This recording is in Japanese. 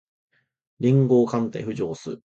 連合艦隊浮上す